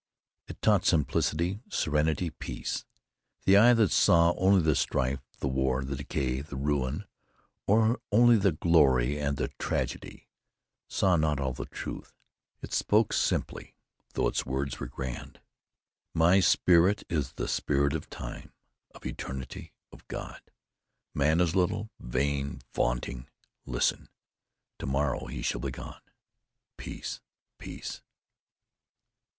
It taught simplicity, serenity, peace. The eye that saw only the strife, the war, the decay, the ruin, or only the glory and the tragedy, saw not all the truth. It spoke simply, though its words were grand: "My spirit is the Spirit of Time, of Eternity, of God. Man is little, vain, vaunting. Listen. To morrow he shall be gone. Peace! Peace!"